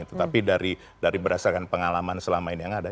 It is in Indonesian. tetapi dari berdasarkan pengalaman selama ini yang ada